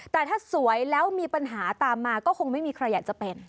แต่ถ้าสวยแล้วมีปัญหาตามมาก็คงไม่มีใครอยากจะเป็น